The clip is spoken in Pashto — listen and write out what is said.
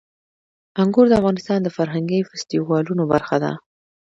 انګور د افغانستان د فرهنګي فستیوالونو برخه ده.